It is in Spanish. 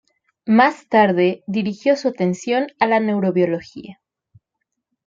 Más tarde dirigió su atención a la neurobiología.